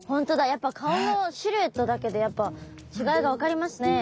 やっぱ顔のシルエットだけでやっぱ違いが分かりますね。